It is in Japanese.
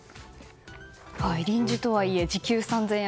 臨時とはいえ時給３０００円。